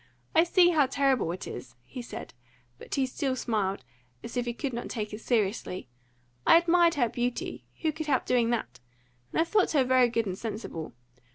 I see how terrible it is!" he said; but he still smiled, as if he could not take it seriously. "I admired her beauty who could help doing that? and I thought her very good and sensible.